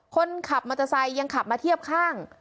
คนขับมอเตอร์ไซค์ยังขับมาเทียบข้าง